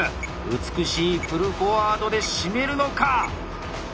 美しいプルフォワードで締めるのか！